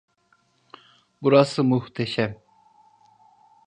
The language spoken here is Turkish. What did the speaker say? Burası muhteşem.